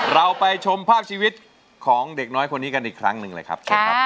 เราไปชมภาพชีวิตของเด็กน้อยคนนี้กันอีกครั้งหนึ่งเลยครับเชิญครับ